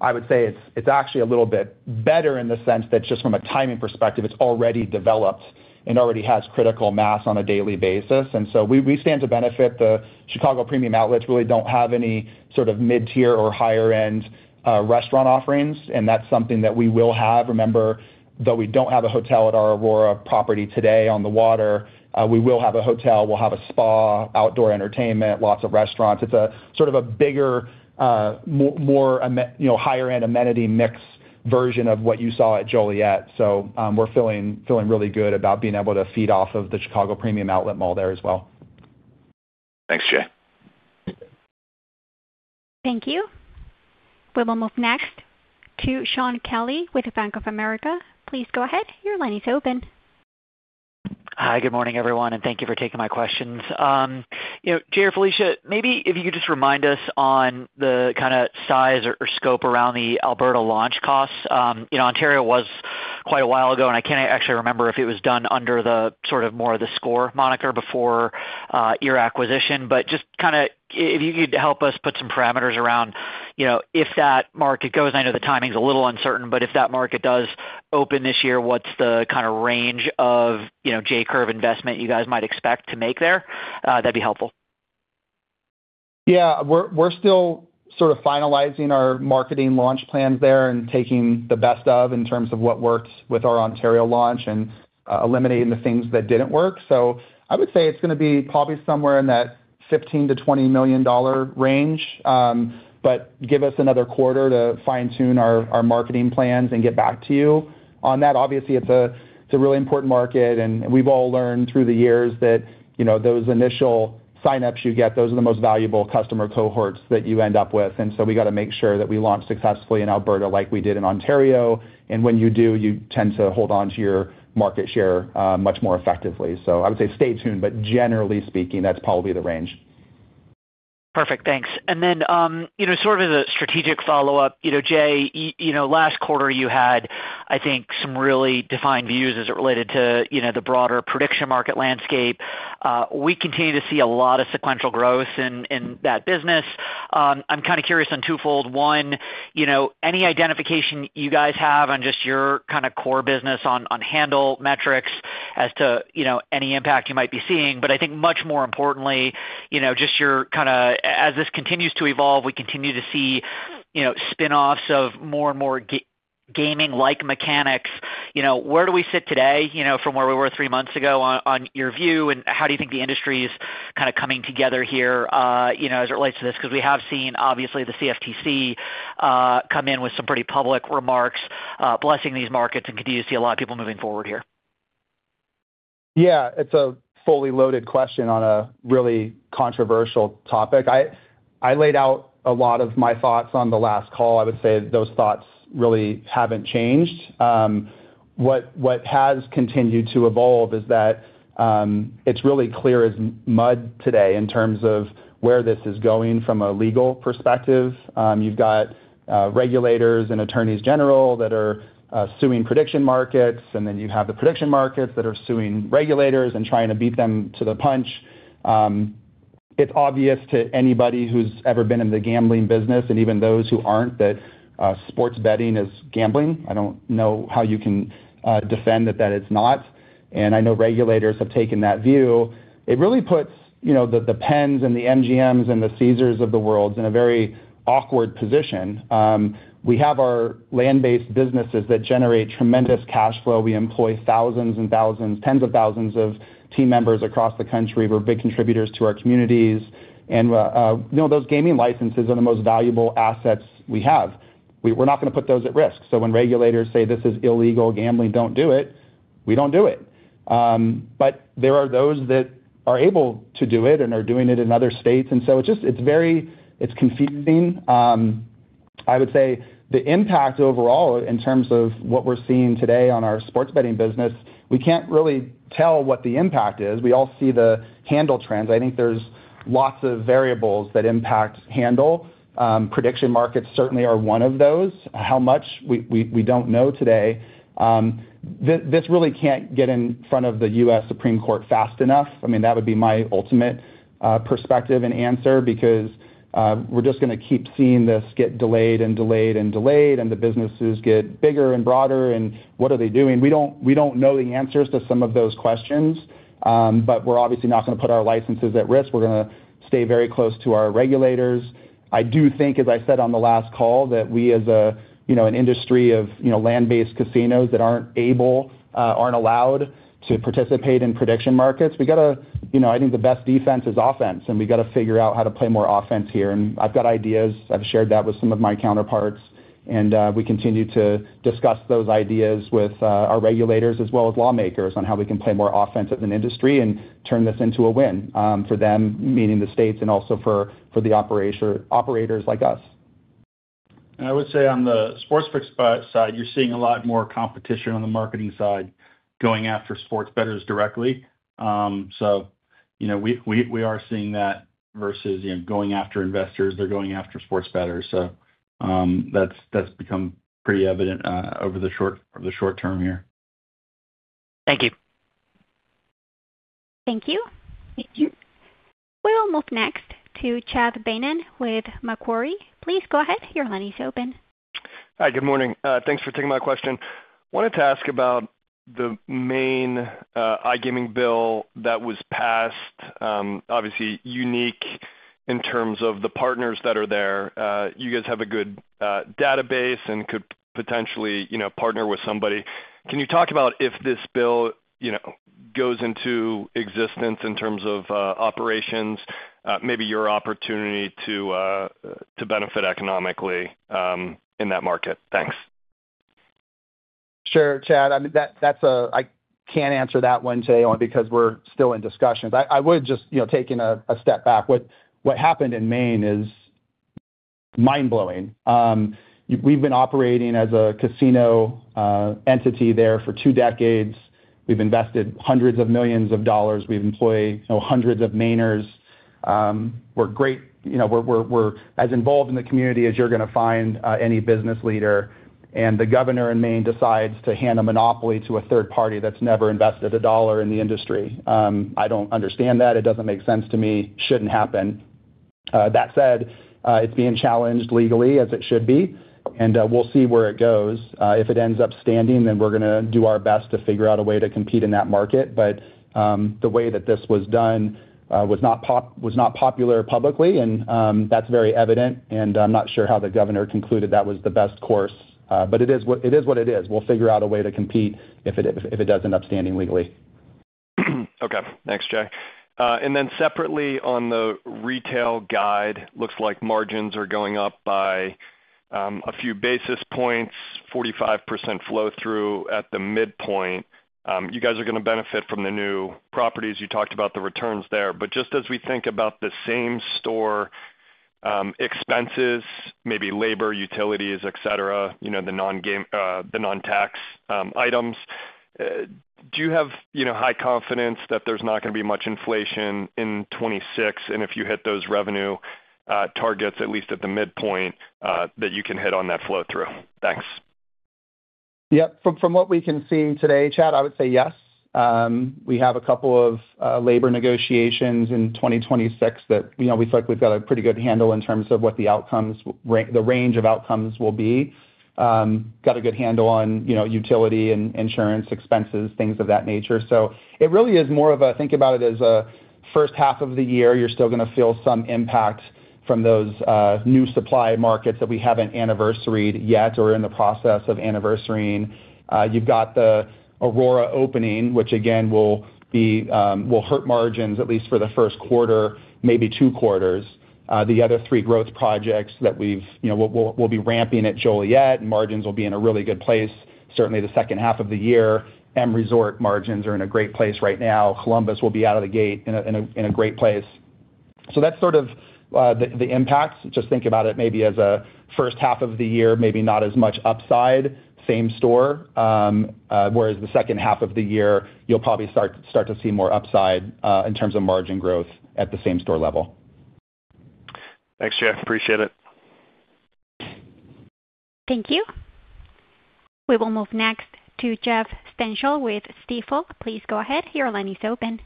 I would say it's actually a little bit better in the sense that just from a timing perspective, it's already developed and already has critical mass on a daily basis. We stand to benefit. The Chicago Premium Outlets really don't have any sort of mid-tier or higher-end restaurant offerings, and that's something that we will have. Remember, though we don't have a hotel at our Aurora property today on the water, we will have a hotel. We'll have a spa, outdoor entertainment, lots of restaurants. It's a sort of a bigger, more you know, higher-end amenity mix version of what you saw at Joliet. We're feeling really good about being able to feed off of the Chicago Premium Outlet Mall there as well. Thanks, Jay. Thank you. We will move next to Shaun Kelley with the Bank of America. Please go ahead. Your line is open. Hi, good morning, everyone, thank you for taking my questions. You know, Jay or Felicia, maybe if you could just remind us on the kind of size or scope around the Alberta launch costs. You know, Ontario was quite a while ago, and I can't actually remember if it was done under the sort of more of theScore moniker before your acquisition. Just kind of, if you could help us put some parameters around, you know, if that market goes... I know the timing's a little uncertain, but if that market does open this year, what's the kind of range of, you know, J-Curve investment you guys might expect to make there? That'd be helpful. Yeah. We're still sort of finalizing our marketing launch plans there and taking the best of, in terms of what worked with our Ontario launch and eliminating the things that didn't work. I would say it's gonna be probably somewhere in that 15 million-20 million dollar range, but give us another quarter to fine-tune our marketing plans and get back to you on that. Obviously, it's a really important market, and we've all learned through the years that, you know, those initial sign-ups you get, those are the most valuable customer cohorts that you end up with. We got to make sure that we launch successfully in Alberta like we did in Ontario. When you do, you tend to hold on to your market share much more effectively. I would say stay tuned, but generally speaking, that's probably the range. Perfect. Thanks. You know, sort of as a strategic follow-up, you know, Jay, you know, last quarter you had, I think, some really defined views as it related to, you know, the broader prediction market landscape. We continue to see a lot of sequential growth in that business. I'm kind of curious on twofold. One, you know, any identification you guys have on just your kind of core business on handle metrics as to, you know, any impact you might be seeing. I think much more importantly, you know, just your kind of... as this continues to evolve, we continue to see some you know spin-offs of more and more gaming-like mechanics. You know, where do we sit today, you know, from where we were three months ago on your view, and how do you think the industry is kind of coming together here, you know, as it relates to this? We have seen, obviously, the CFTC come in with some pretty public remarks, blessing these markets, and do you see a lot of people moving forward here? Yeah, it's a fully loaded question on a really controversial topic. I laid out a lot of my thoughts on the last call. I would say those thoughts really haven't changed. What has continued to evolve is that it's really clear as mud today in terms of where this is going from a legal perspective. You've got regulators and attorneys general that are suing prediction markets. You have the prediction markets that are suing regulators and trying to beat them to the punch. It's obvious to anybody who's ever been in the gambling business, and even those who aren't, that sports betting is gambling. I don't know how you can defend that it's not. I know regulators have taken that view. It really puts, you know, the PENN and the MGM and the Caesars of the world in a very awkward position. We have our land-based businesses that generate tremendous cash flow. We employ thousands and thousands, tens of thousands of team members across the country. We're big contributors to our communities, and, you know, those gaming licenses are the most valuable assets we have. We're not gonna put those at risk. When regulators say, "This is illegal gambling, don't do it," we don't do it. There are those that are able to do it and are doing it in other states, it's just, it's very, it's confusing. I would say the impact overall, in terms of what we're seeing today on our sports betting business, we can't really tell what the impact is. We all see the handle trends. I think there's lots of variables that impact handle. Prediction markets certainly are one of those. How much? We don't know today. This really can't get in front of the U.S. Supreme Court fast enough. I mean, that would be my ultimate perspective and answer because we're just gonna keep seeing this get delayed and delayed and delayed, and the businesses get bigger and broader, and what are they doing? We don't know the answers to some of those questions, but we're obviously not gonna put our licenses at risk. We're gonna stay very close to our regulators. I do think, as I said on the last call, that we, as a, you know, an industry of, you know, land-based casinos that aren't able, aren't allowed to participate in prediction markets, we gotta... You know, I think the best defense is offense, and we've gotta figure out how to play more offense here, and I've got ideas. I've shared that with some of my counterparts, and we continue to discuss those ideas with our regulators, as well as lawmakers, on how we can play more offense as an industry and turn this into a win for them, meaning the states, and also for the operators like us. I would say on the sports book side, you're seeing a lot more competition on the marketing side, going after sports bettors directly. You know, we are seeing that versus, you know, going after investors. They're going after sports bettors. That's become pretty evident over the short term here. Thank you. Thank you. We will move next to Chad Beynon with Macquarie. Please go ahead. Your line is open. Hi, good morning. Thanks for taking my question. Wanted to ask about the Maine iGaming bill that was passed, obviously unique in terms of the partners that are there. You guys have a good database and could potentially, you know, partner with somebody. Can you talk about if this bill, you know, goes into existence in terms of operations, maybe your opportunity to benefit economically in that market? Thanks. Sure, Chad. I mean, that, I can't answer that one, Jay, only because we're still in discussions. I would just, you know, taking a step back, what happened in Maine is mind-blowing. We've been operating as a casino entity there for two decades. We've invested hundreds of millions of dollars. We employ, you know, hundreds of Mainers. We're great, you know, we're as involved in the community as you're gonna find any business leader, and the governor in Maine decides to hand a monopoly to a third party that's never invested $1 in the industry. I don't understand that. It doesn't make sense to me. Shouldn't happen. That said, it's being challenged legally, as it should be, and we'll see where it goes. If it ends up standing, then we're gonna do our best to figure out a way to compete in that market. The way that this was done was not popular publicly, and that's very evident, and I'm not sure how the governor concluded that was the best course, but it is what it is. We'll figure out a way to compete if it does end up standing legally. Okay. Thanks, Jay. Separately, on the retail guide, looks like margins are going up by a few basis points, 45% flow through at the midpoint. You guys are gonna benefit from the new properties. You talked about the returns there. Just as we think about the same store expenses, maybe labor, utilities, et cetera, you know, the non-game, the non-tax items, do you have, you know, high confidence that there's not gonna be much inflation in 2026? If you hit those revenue targets, at least at the midpoint, that you can hit on that flow through. Thanks. Yep. From what we can see today, Chad, I would say yes. We have a couple of labor negotiations in 2026 that, you know, we feel like we've got a pretty good handle in terms of what the range of outcomes will be. Got a good handle on, you know, utility and insurance expenses, things of that nature. It really is more of a think about it as a first half of the year, you're still gonna feel some impact from those new supply markets that we haven't anniversaried yet or are in the process of anniversarying. You've got the Aurora opening, which again, will hurt margins at least for the first quarter, maybe two quarters. The other three growth projects that we've, you know, we'll be ramping at Joliet, margins will be in a really good place, certainly the second half of the year. M Resort margins are in a great place right now. Columbus will be out of the gate in a great place. That's sort of the impacts. Just think about it maybe as a first half of the year, maybe not as much upside, same store, whereas the second half of the year, you'll probably start to see more upside in terms of margin growth at the same store level. Thanks, Jay. Appreciate it. Thank you. We will move next to Jeff Stantial with Stifel. Please go ahead. Your line is open.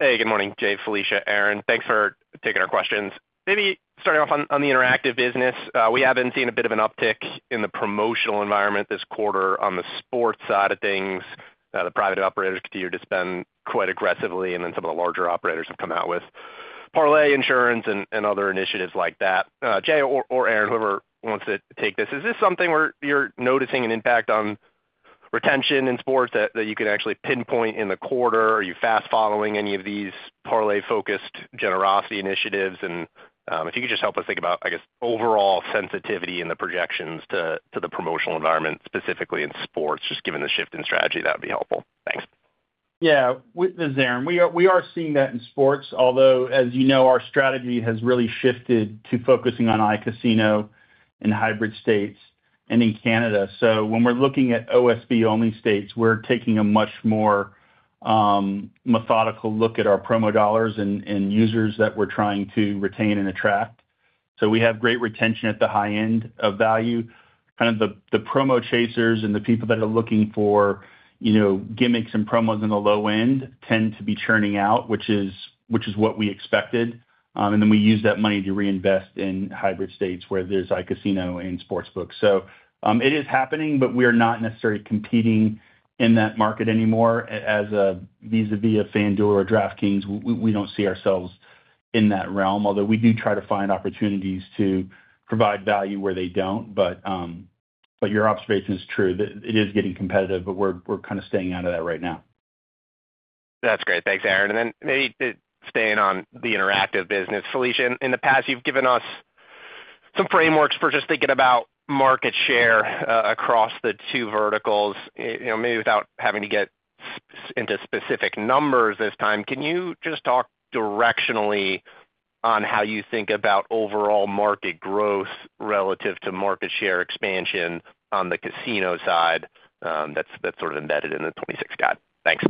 Hey, good morning, Jay, Felicia, Aaron. Thanks for taking our questions. Maybe starting off on the interactive business. We haven't seen a bit of an uptick in the promotional environment this quarter on the sports side of things. The private operators continue to spend quite aggressively, and then some of the larger operators have come out with parlay insurance and other initiatives like that. Jay or Aaron, whoever wants to take this, is this something where you're noticing an impact on retention in sports that you can actually pinpoint in the quarter? Are you fast-following any of these parlay-focused generosity initiatives? If you could just help us think about, I guess, overall sensitivity in the projections to the promotional environment, specifically in sports, just given the shift in strategy, that would be helpful. Thanks. Yeah, this is Aaron. We are seeing that in sports, although, as you know, our strategy has really shifted to focusing on iCasino in hybrid states and in Canada. When we're looking at OSB-only states, we're taking a much more methodical look at our promo dollars and users that we're trying to retain and attract. We have great retention at the high end of value. Kind of the promo chasers and the people that are looking for, you know, gimmicks and promos in the low end tend to be churning out, which is what we expected. We use that money to reinvest in hybrid states where there's iCasino and sports books. It is happening, but we are not necessarily competing in that market anymore as a, vis-a-vis a FanDuel or DraftKings. We don't see ourselves in that realm, although we do try to find opportunities to provide value where they don't. Your observation is true, that it is getting competitive, but we're kind of staying out of that right now. That's great. Thanks, Aaron, and then maybe just staying on the interactive business. Felicia, in the past, you've given us some frameworks for just thinking about market share across the two verticals. You know, maybe without having to get into specific numbers this time, can you just talk directionally on how you think about overall market growth relative to market share expansion on the casino side? That's sort of embedded in the 2026 guide. Thanks.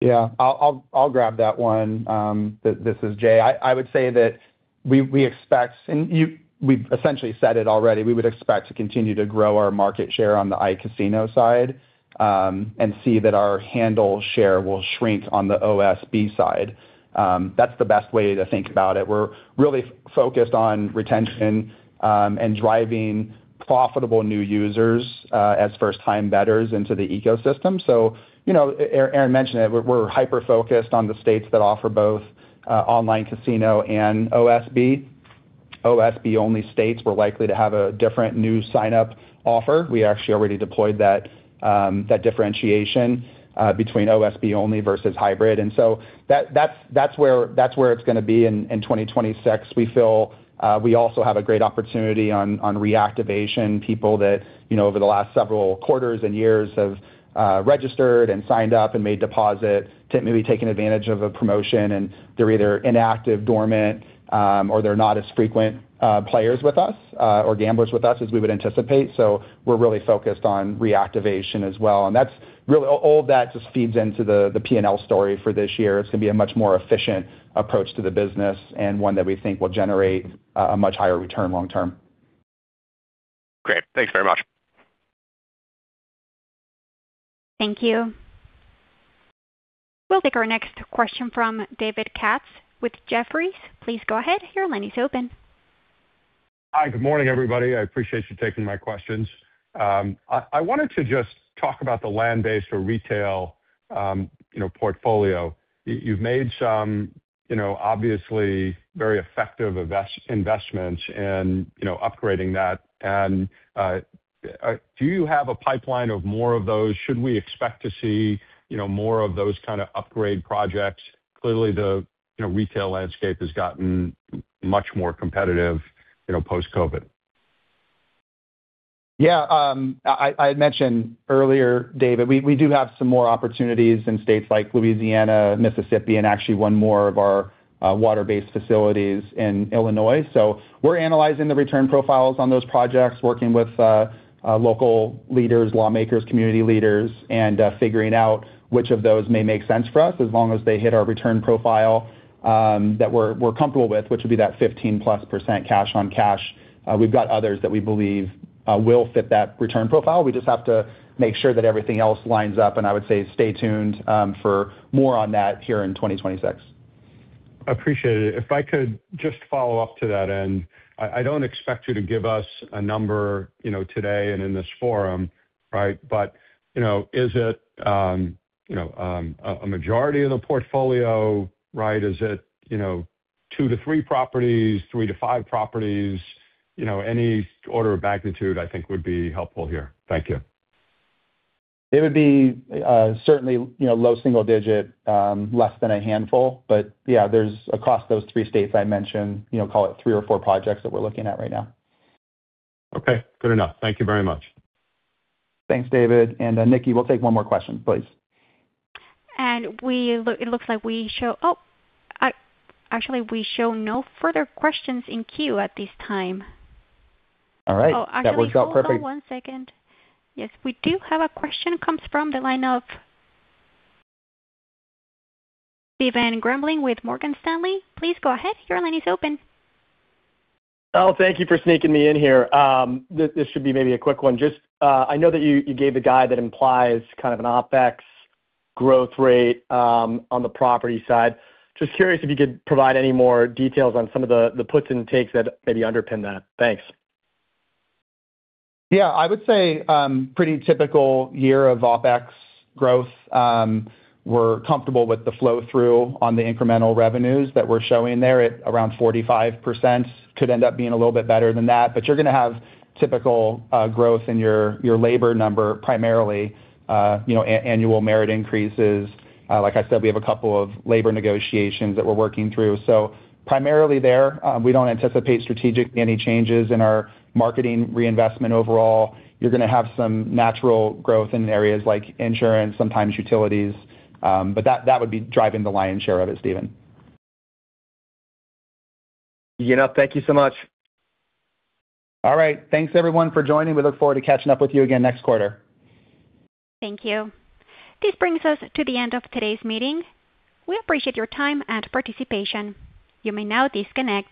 Yeah, I'll grab that one. This is Jay. I would say that we expect, and we've essentially said it already, we would expect to continue to grow our market share on the iCasino side, and see that our handle share will shrink on the OSB side. That's the best way to think about it. We're really focused on retention, and driving profitable new users as first-time bettors into the ecosystem. You know, Aaron mentioned it, we're hyper-focused on the states that offer both online casino and OSB. OSB-only states, we're likely to have a different new sign-up offer. We actually already deployed that differentiation between OSB-only versus hybrid, that's where it's gonna be in 2026. We feel we also have a great opportunity on reactivation. People that, you know, over the last several quarters and years have registered and signed up and made deposits to maybe taken advantage of a promotion, and they're either inactive, dormant, or they're not as frequent players with us or gamblers with us as we would anticipate. We're really focused on reactivation as well, and that's really. All that just feeds into the P&L story for this year. It's gonna be a much more efficient approach to the business and one that we think will generate a much higher return long term. Great. Thanks very much. Thank you. We'll take our next question from David Katz with Jefferies. Please go ahead. Your line is open. Hi, good morning, everybody. I appreciate you taking my questions. I wanted to just talk about the land-based or retail, you know, portfolio. You've made some, you know, obviously very effective investments in, you know, upgrading that, and do you have a pipeline of more of those? Should we expect to see, you know, more of those kind of upgrade projects? Clearly, the, you know, retail landscape has gotten much more competitive, you know, post-COVID. Yeah, I had mentioned earlier, David, we do have some more opportunities in states like Louisiana, Mississippi, and actually one more of our water-based facilities in Illinois. We're analyzing the return profiles on those projects, working with local leaders, lawmakers, community leaders, and figuring out which of those may make sense for us, as long as they hit our return profile that we're comfortable with, which would be that 15%+ cash on cash. We've got others that we believe will fit that return profile. We just have to make sure that everything else lines up, I would say stay tuned for more on that here in 2026. Appreciate it. If I could just follow up to that, I don't expect you to give us a number, you know, today and in this forum, right? You know, is it, you know, a majority of the portfolio, right? Is it, you know, two to three properties, three to five properties, you know, any order of magnitude I think would be helpful here. Thank you. It would be, certainly, you know, low single digit, less than a handful. Yeah, there's across those three states I mentioned, you know, call it three or four projects that we're looking at right now. Okay, good enough. Thank you very much. Thanks, David, and, Nikki, we'll take one more question, please. Oh! Actually, we show no further questions in queue at this time. All right. That worked out perfect. Oh, actually, hold on one second. Yes, we do have a question, comes from the line of Stephen Grambling with Morgan Stanley. Please go ahead. Your line is open. Thank you for sneaking me in here. This should be maybe a quick one. I know that you gave a guide that implies kind of an OpEx growth rate on the property side. Curious if you could provide any more details on some of the puts and takes that maybe underpin that. Thanks. Yeah, I would say, pretty typical year of OpEx growth. We're comfortable with the flow-through on the incremental revenues that we're showing there at around 45%. Could end up being a little bit better than that, but you're gonna have typical growth in your labor number, primarily, you know, annual merit increases. Like I said, we have a couple of labor negotiations that we're working through. Primarily there, we don't anticipate strategically any changes in our marketing reinvestment overall. You're gonna have some natural growth in areas like insurance, sometimes utilities, but that would be driving the lion's share of it, Stephen. You know, thank you so much. All right. Thanks, everyone, for joining. We look forward to catching up with you again next quarter. Thank you. This brings us to the end of today's meeting. We appreciate your time and participation. You may now disconnect.